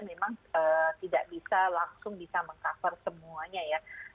memang tidak bisa langsung bisa meng cover semuanya ya